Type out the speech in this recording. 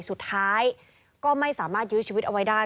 สุดท้ายก็ไม่สามารถยื้อชีวิตเอาไว้ได้